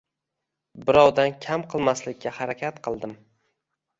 Birovdan kam qilmaslikka harakat qildim